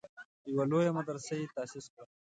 یوه لویه مدرسه یې تاسیس کړه.